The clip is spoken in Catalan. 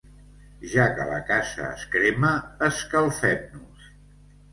Ja que la casa es crema, escalfem-nos.